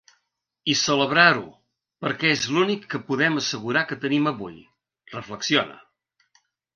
I celebrar-ho, perquè és l’únic que podem assegurar que tenim avui, reflexiona.